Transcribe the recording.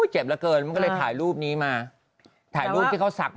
ช่วยโฟกัสที่ที่สักนะ